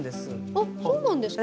あっそうなんですか。